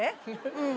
うん。